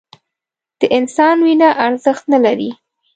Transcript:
د انسان وینه ارزښت نه لري